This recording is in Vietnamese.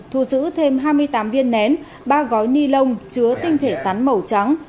thu giữ thêm hai mươi tám viên nén ba gói ni lông chứa tinh thể rắn màu trắng